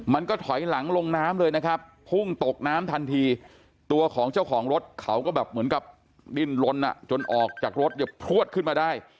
มันก็ถอยหลังลงน้ำเลยนะครับพุ่งตกน้ำทันทีตัวของเจ้าของรถเขาก็แบบเหมือนกับดิ้นลนอ่ะจนออกจากรถเนี่ยพลวดขึ้นมาได้